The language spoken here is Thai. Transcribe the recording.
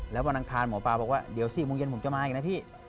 แล้ววันอังคารหมอปลาบอกว่าเดี๋ยว๔โมงเย็นผมจะมาอีกนะพี่